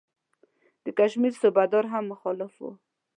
د کشمیر صوبه دار هم مخالف وو.